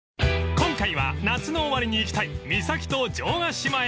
［今回は夏の終わりに行きたい三崎と城ヶ島へ］